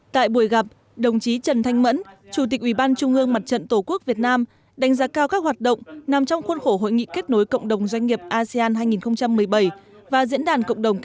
tại buổi gặp đồng chí trần thanh mẫn chủ tịch ủy ban trung ương mặt trận tổ quốc việt nam đánh giá cao các hoạt động nằm trong khuôn khổ hội nghị kết nối cộng đồng doanh nghiệp asean hai nghìn một mươi bảy